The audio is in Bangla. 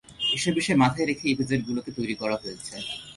এসব বিষয় মাথায় রেখেই ইপিজেডগুলোকে তৈরি করা হয়েছে।